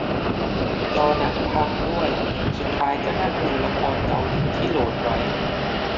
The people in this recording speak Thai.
จอหนังพังด้วย สุดท้ายก็นั่งดูละครเกาหลีที่โหลดไว้